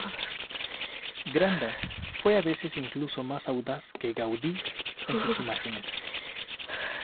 Granda fue a veces incluso más audaz que Gaudí en sus imágenes.